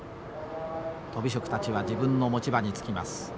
とび職たちは自分の持ち場につきます。